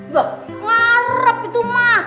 bah ngarep itu mah